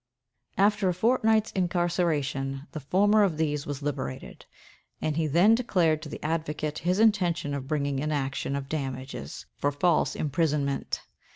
After a fortnight's incarceration, the former of these was liberated; and he then declared to the advocate his intention of bringing an action of damages for false imprisonment.